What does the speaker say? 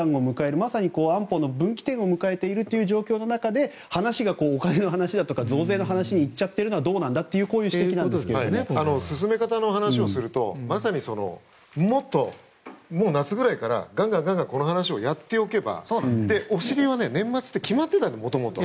まさに、安保の分岐点を迎えているという状況の中で話が、お金の話だとか増税の話に行っちゃってるのは進め方の話をするとまさに、もっと夏ぐらいからガンガンこの話をやっておけばお尻は年末と決まっていたんです、もともと。